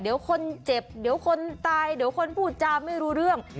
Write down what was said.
เดี๋ยวคนเจ็บเดี๋ยวคนตายเดี๋ยวคนพูดจาไม่รู้เรื่อง